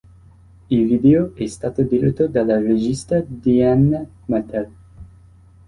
Il video è stato diretto dalla regista Diane Martel.